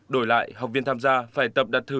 đổi lại học viên tham gia phải tập đặt thứ